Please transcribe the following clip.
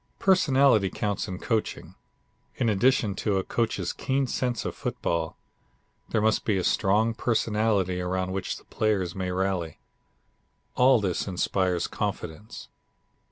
Personality counts in coaching. In addition to a coach's keen sense of football, there must be a strong personality around which the players may rally. All this inspires confidence.